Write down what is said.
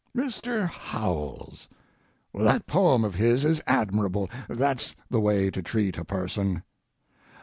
Mr. Howells—that poem of his is admirable; that's the way to treat a person.